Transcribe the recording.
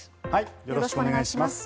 よろしくお願いします。